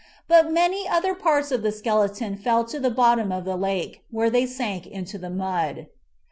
But many other parts of the skeleton fell to the bottom of the lake, where they sank into the mud.